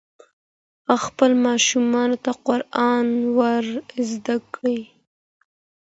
خپلو ماشومانو ته قرآن ور زده کړئ.